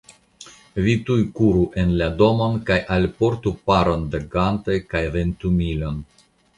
Vi tuj kuru en la domon kaj alportu paron da gantoj kaj ventumilon.